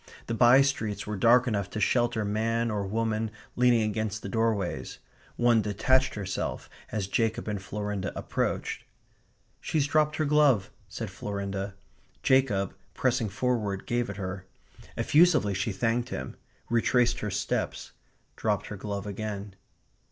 The by streets were dark enough to shelter man or woman leaning against the doorways. One detached herself as Jacob and Florinda approached. "She's dropped her glove," said Florinda. Jacob, pressing forward, gave it her. Effusively she thanked him; retraced her steps; dropped her glove again.